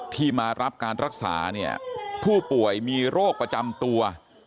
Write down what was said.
ที่มารับการรักษาเนี่ยผู้ป่วยมีโรคประจำตัว